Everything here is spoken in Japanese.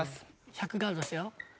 １００ガードしてよ。